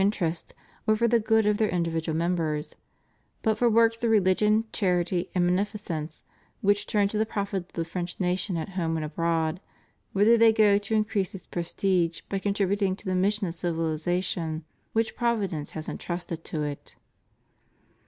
503 interest or for the good of their individual members, but for works of rehgion, charity, and beneficence, which turn to the profit of the French nation at home and abroad, whither they go to increase its prestige by contributing to the mission of civilization which Providence has en trusted to it.